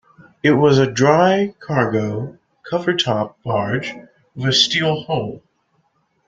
It was a dry cargo cover-top barge with a steel hull.